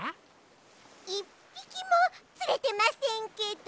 １ぴきもつれてませんけど？